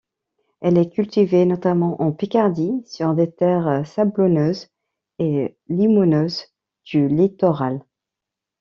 Elle est cultivée notamment en Picardie, sur des terres sablonneuses et limoneuses du littoral.